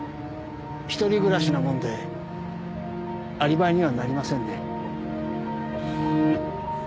一人暮らしなもんでアリバイにはなりませんね。